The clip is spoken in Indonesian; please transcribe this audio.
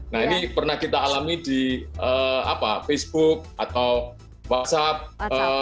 nah ini pernah kita alami di facebook atau whatsapp